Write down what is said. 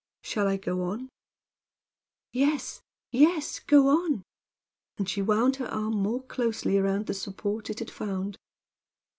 Shall I go on?" "Yes, yes; go on." And she wound her arm more closely around the support it had found.